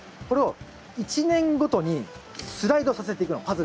これを１年ごとにスライドさせていくの。